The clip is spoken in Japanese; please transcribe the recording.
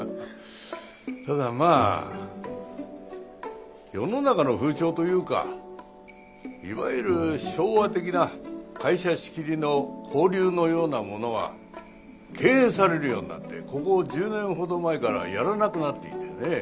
ただまあ世の中の風潮というかいわゆる昭和的な会社仕切りの交流のようなものは敬遠されるようになってここ１０年ほど前からやらなくなっていてね。